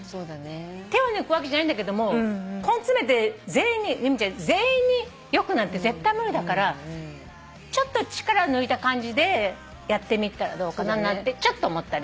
手を抜くわけじゃないんだけども根詰めて全員に良くなんて絶対無理だからちょっと力抜いた感じでやってみたらどうかななんてちょっと思ったりした。